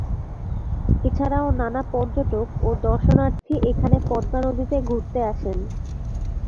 এছাড়াও নানা পর্যটক ও দর্শনার্থী এখানে পদ্মা নদীতে ঘুরতে আসেন।